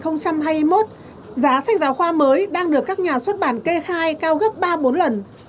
năm hai nghìn hai mươi hai nghìn hai mươi một giá sách giáo khoa mới đang được các nhà xuất bản kê khai cao gấp ba bốn lần